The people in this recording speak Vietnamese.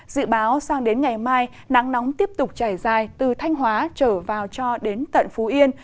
dự báo sang đến ngày mai nắng nóng tiếp tục chảy dài từ thanh hóa trở vào cho đến tận phú yên